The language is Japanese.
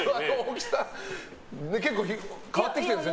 結構、変わってきてるんですね。